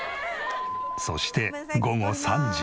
そして午後３時。